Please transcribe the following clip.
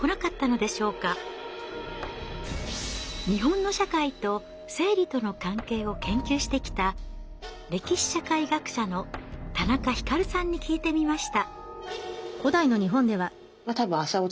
日本の社会と生理との関係を研究してきた歴史社会学者の田中ひかるさんに聞いてみました。